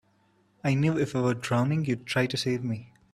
I knew if I were drowning you'd try to save me.